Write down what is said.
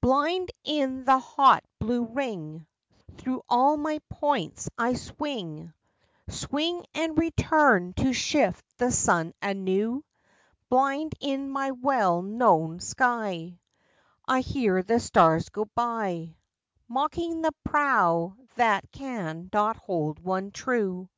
Blind in the hot blue ring Through all my points I swing Swing and return to shift the sun anew. Blind in my well known sky I hear the stars go by, Mocking the prow that can not hold one true!